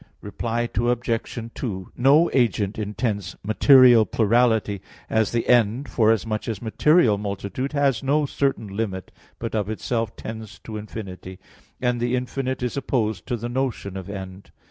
Reply Obj. 2: No agent intends material plurality as the end forasmuch as material multitude has no certain limit, but of itself tends to infinity, and the infinite is opposed to the notion of end.